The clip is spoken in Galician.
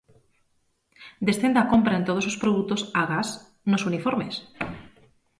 Descende a compra en todos os produtos agás nos uniformes.